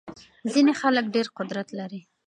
ځينې خلګ ډېر قدرت لري.